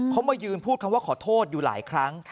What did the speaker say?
เขามายืนพูดคำว่าขอโทษอยู่หลายครั้ง